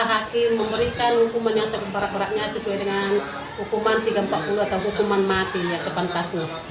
hakim memberikan hukuman yang seberat beratnya sesuai dengan hukuman tiga ratus empat puluh atau hukuman mati yang sepantasnya